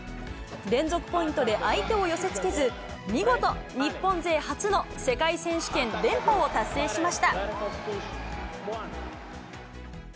連続ポイントで相手を寄せつけず、見事、日本勢初の世界選手権連覇を達成しました。